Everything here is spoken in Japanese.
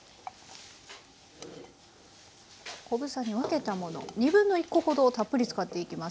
小房に分けたもの1/2コほどたっぷり使っていきます。